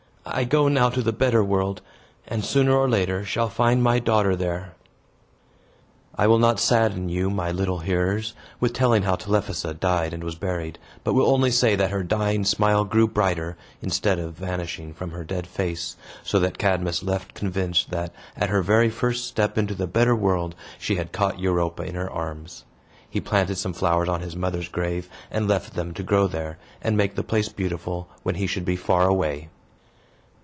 "I go now to the better world, and, sooner or later, shall find my daughter there." I will not sadden you, my little hearers, with telling how Telephassa died and was buried, but will only say, that her dying smile grew brighter, instead of vanishing from her dead face; so that Cadmus left convinced that, at her very first step into the better world, she had caught Europa in her arms. He planted some flowers on his mother's grave, and left them to grow there, and make the place beautiful, when he should be far away.